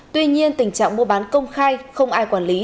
tuy nhiên tình trạng mua bán công khai không ai quản lý